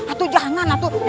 atu jangan atu